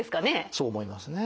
そう思いますね。